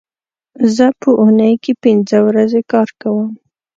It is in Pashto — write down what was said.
زه په اونۍ کې پینځه ورځې کار کوم